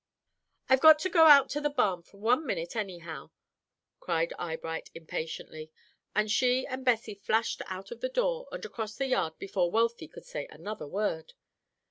"I've got to go out to the barn for one minute, anyhow," cried Eyebright, impatiently, and she and Bessie flashed out of the door and across the yard before Wealthy could say another word.